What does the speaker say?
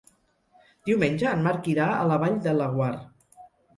Diumenge en Marc irà a la Vall de Laguar.